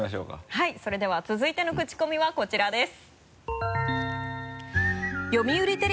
はいそれでは続いてのクチコミはこちらです。